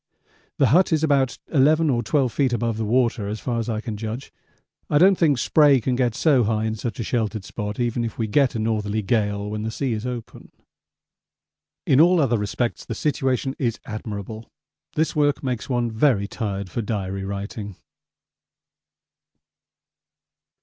The hut is about 11 or 12 feet above the water as far as I can judge. I don't think spray can get so high in such a sheltered spot even if we get a northerly gale when the sea is open. In all other respects the situation is admirable. This work makes one very tired for Diary writing.